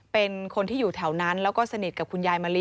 เป็นคนที่อยู่แถวนั้นแล้วก็สนิทกับคุณยายมะลิ